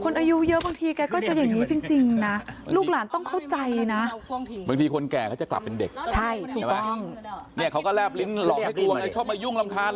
นี่เขาก็แร่บลิ้นหลอกให้กลัวทำไมโดยชอบมายุ่งลำคาญ